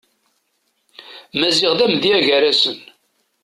Maziɣ d amedya gar-asen.